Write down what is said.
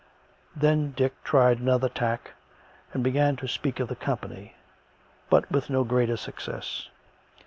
Then Dick tried another tack and began to speak of the company, but with no greater success.